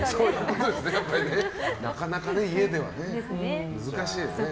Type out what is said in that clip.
なかなか、家では難しいよね。